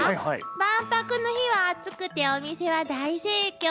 万博の日は暑くてお店は大盛況。